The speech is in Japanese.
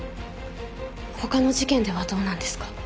他の事件ではどうなんですか？